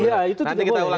oh iya itu tidak boleh